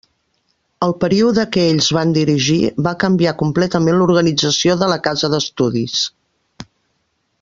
El període que ells van dirigir va canviar completament l'organització de la casa d'estudis.